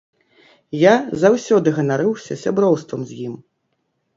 Я заўсёды ганарыўся сяброўствам з ім.